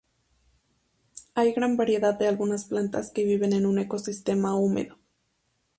Hay gran variedad de algunas plantas que viven en un ecosistema húmedo.